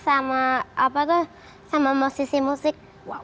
sama musisi musik